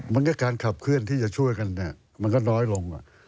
มันก็การขับเคลื่อนที่จะช่วยกันมันก็น้อยลง